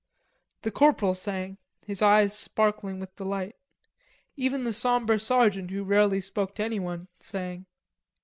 The corporal sang, his eyes sparkling with delight. Even the sombre sergeant who rarely spoke to anyone, sang.